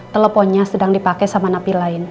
teleponnya sedang dipakai sama napi lain